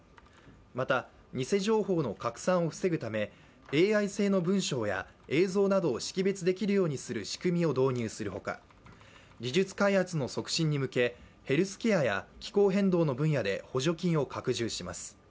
また、偽情報の拡散を防ぐためＡＩ製の文章や映像などを識別できるようにする仕組みを導入するほか、技術開発の促進に向け、ヘルスケアや気候変動の分野で補助金を拡充します。